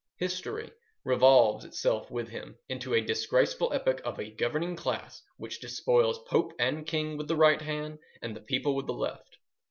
History resolves itself with him into a disgraceful epic of a governing class which despoiled Pope and King with the right hand, and the people with the left.